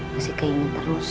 masih keingin terus